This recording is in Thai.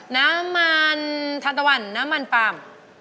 น้ำมันทะวันน้ำมันปาบ